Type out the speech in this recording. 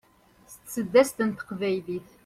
s tseddast n teqbaylit